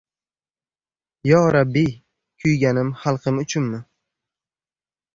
Yo Rabbiy, kuyganim xalqim uchunmi